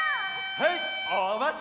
へいおまち！